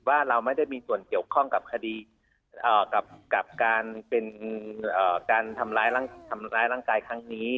ว่าเราไม่ได้มีส่วนเกี่ยวข้องกับคดีกับการเป็นการทำร้ายร่างกายครั้งนี้